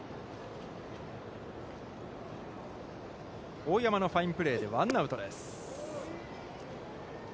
大山のファインプレーでワンアウトです。